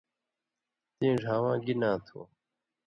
تِئیں ڙھاواں گی ناں تُھو؟